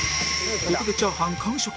ここでチャーハン完食！